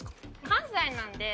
関西なんで。